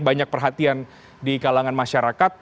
banyak perhatian di kalangan masyarakat